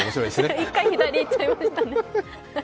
１回左に行っちゃいましたね。